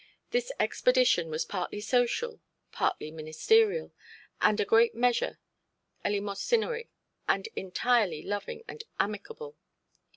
This expedition was partly social, partly ministerial, in a great measure eleemosynary, and entirely loving and amicable.